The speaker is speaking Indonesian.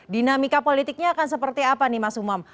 dinamika politiknya akan seperti apa nih mas umam